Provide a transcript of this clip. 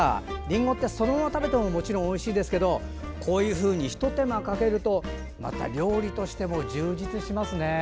りんごってそのまま食べてももちろんおいしいですがこういうふうにひと手間かけると料理として充実しますね。